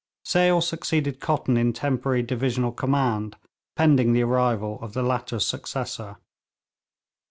Sale succeeded Cotton in temporary divisional command pending the arrival of the latter's successor.